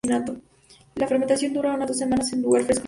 La fermentación dura unas dos semanas en un lugar fresco y seco.